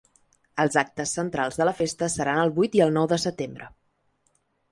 Els actes centrals de la festa seran el vuit i el nou de setembre.